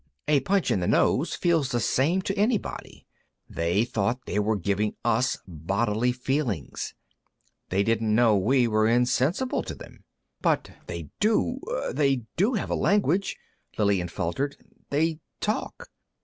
A punch in the nose feels the same to anybody. They thought they were giving us bodily feelings. They didn't know we were insensible to them." "But they do ... they do have a language," Lillian faltered. "They talk."